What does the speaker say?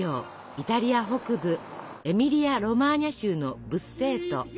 イタリア北部エミリア・ロマーニャ州のブッセート。